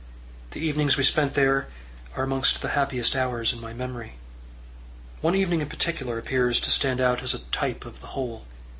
The evenings we spent there are amongst the happiest hours in my memory. One evening in particular appears to stand out as a type of the whole.